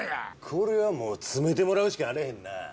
これはもう詰めてもらうしかあれへんなぁ。